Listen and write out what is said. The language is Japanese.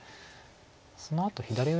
そのあと左上